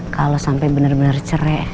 kalau sampai bener bener cere